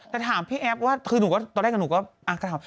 แต่ถามพี่แอปว่าคือตอนแรกก็หาว